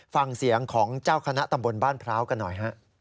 ฟังเสียงของเจ้าคณะตำบลบ้านพร้าวกันหน่อยฮะ